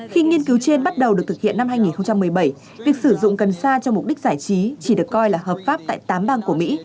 khi nghiên cứu trên bắt đầu được thực hiện năm hai nghìn một mươi bảy việc sử dụng cần sa cho mục đích giải trí chỉ được coi là hợp pháp tại tám bang của mỹ